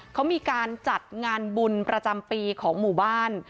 เขามีการจัดงานบุญประจำปีของหมู่บ้าน